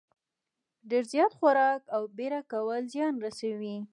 ډېر زیات خوراک او بېړه کول زیان رسوي.